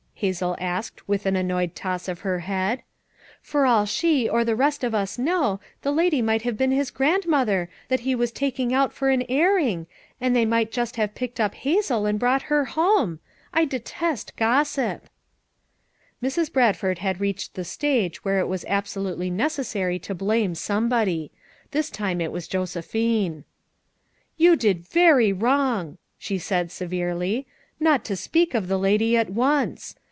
Isabel asked with an annoyed toss of her head. "For all she, or the rest of us know, the lady might have been his grand mother that be was taking out for an airing, and they might just have picked up Hazel and brought her home. I detest gossip." FOUR MOTIIERS AT CHAUTAUQUA 239 Mrs. Bradford had reached the stage where it was absolutely necessary to blame some body; this time it was Josephine. "You did very wrong, " she said severely, "not to speak of the lady at once.